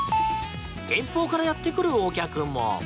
遠方からやってくるお客も。